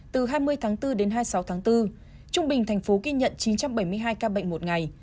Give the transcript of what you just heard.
từ hai mươi tháng bốn đến hai mươi sáu tháng bốn trung bình thành phố ghi nhận chín trăm bảy mươi hai ca bệnh một ngày